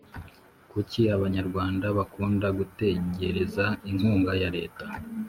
Kuki abanyarwanda bakunda gutegereza inkunga ya leta